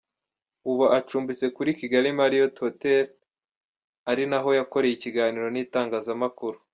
Ubu acumbitse kuri Kigali Marriot Hotel ari naho yakoreye ikiganiro n’itangazamakuru.